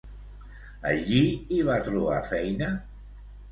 Allí hi va trobar feina?